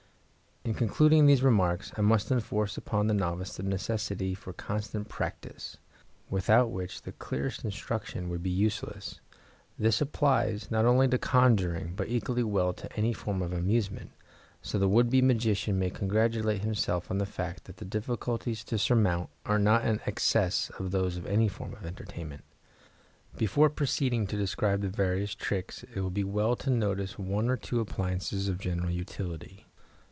In concluding these remarks I must enforce upon the novice the necessity for constant practice, without which the clearest instruction would be useless. This applies, not only to conjuring, but equally well to any form of amusement, so the would be magician may congratulate himself on the fact that the difficulties to surmount are not in excess of those of any form of entertainment. Before proceeding to describe the various tricks it will be well to notice one or two appliances of general utility.